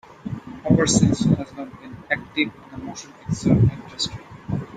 Hooper since has not been active in the motion picture industry.